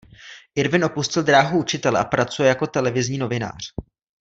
Irwin opustil dráhu učitele a pracuje jako televizní novinář.